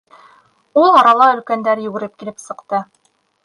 Ул арала өлкәндәр йүгереп килеп сыҡты.